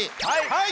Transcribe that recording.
はい！